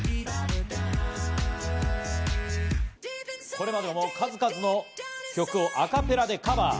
これまでも数々の曲をアカペラでカバー。